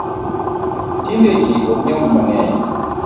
Tinde jii ok nyomb mangeny